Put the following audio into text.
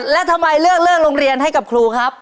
แล้วทำไมเลือกเรื่องโรงเรียนให้กับครูครับ